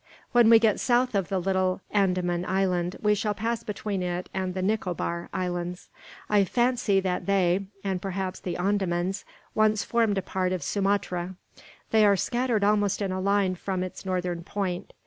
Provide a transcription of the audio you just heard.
When we get south of the Little Andaman Island, we shall pass between it and the Nicobar Islands. I fancy that they, and perhaps the Andamans, once formed a part of Sumatra. They are scattered almost in a line from its northern point.